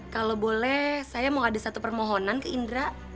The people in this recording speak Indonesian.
kalau boleh saya mau ada satu permohonan ke indra